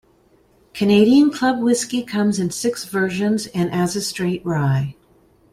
Canadian Club whisky comes in six versions, and as a straight rye.